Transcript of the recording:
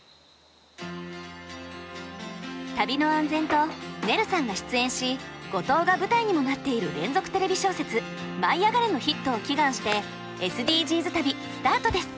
旅の安全とねるさんが出演し五島が舞台にもなっている連続テレビ小説「舞いあがれ！」のヒットを祈願してＳＤＧｓ旅スタートです。